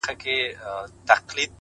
o مينه مني ميني څه انكار نه كوي؛